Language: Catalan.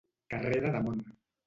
Carrera de món.